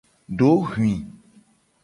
Dohwi.